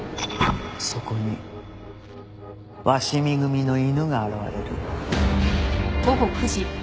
そこに鷲見組の犬が現れる。